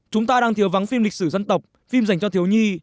chúng ta đang thiếu vắng phim lịch sử dân tộc phim dành cho thiếu nhi